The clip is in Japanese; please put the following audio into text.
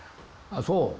あっそう。